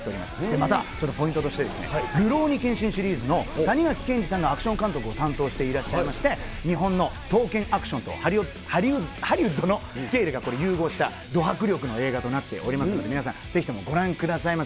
またポイントとして、るろうに剣心シリーズの谷垣健治さんがアクション監督をしていらっしゃいまして、日本の刀剣アクションとハリウッドのスケールが融合した、ど迫力の映画となっておりますので、皆さん、ぜひともご覧くださいませ。